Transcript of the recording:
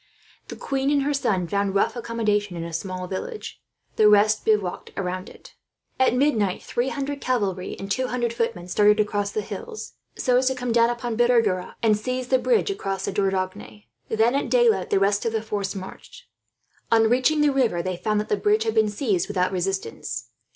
The queen and her son found rough accommodation in a small village, the rest bivouacked round it. At midnight three hundred cavalry and two hundred footmen started across the hills, so as to come down upon Bergerac and seize the bridge across the Dordogne; then at daylight the rest of the force marched. On reaching the river they found that the bridge had been seized without resistance.